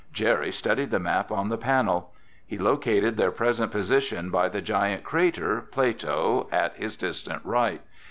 Jerry studied the map on the panel. He located their present position by the giant crater, Plato, at his distant right.